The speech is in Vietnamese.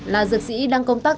là dược sĩ đang công tác